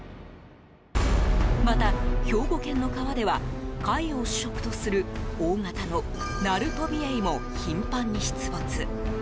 また、兵庫県の川では貝を主食とする、大型のナルトビエイも頻繁に出没。